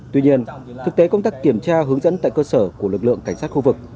tuy nhiên thực tế công tác kiểm tra hướng dẫn tại cơ sở của lực lượng cảnh sát khu vực